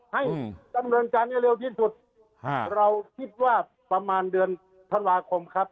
ให้ดำเนินการให้เร็วที่สุดเราคิดว่าประมาณเดือนธันวาคมครับ